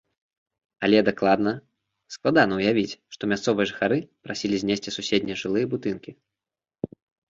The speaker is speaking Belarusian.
Але дакладна складана ўявіць, што мясцовыя жыхары прасілі знесці суседнія жылыя будынкі.